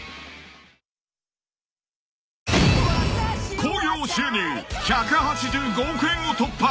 ［興行収入１８５億円を突破］